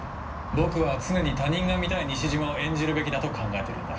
僕は常に他人が見たい西島を演じるべきだと考えてるんだ。